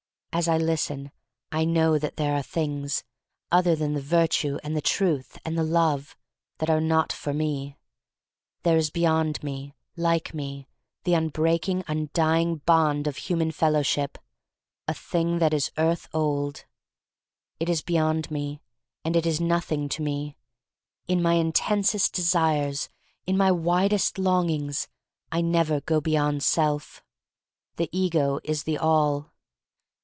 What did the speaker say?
As I listen I know that there are things, other than the Virtue and the Truth and the Love, that are not for me. There is beyond me, like these, the unbreaking, THE STORY OF MARY MAC LANE lOJ undying bond of human fellowship — a thing that is earth old. It is beyond me, and it is nothing to me. In my intensest desires — in my widest longings — I never go beyond self. The ego is the all.